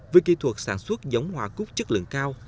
với kỹ thuật sản xuất giống hoa cúc chất lượng cao